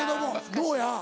どうや？